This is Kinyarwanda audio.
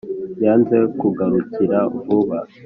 yanze kungarukira vuba